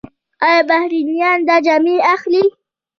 آیا بهرنیان دا جامې اخلي؟